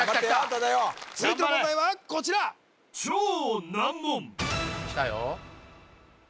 東大王続いての問題はこちらきたよ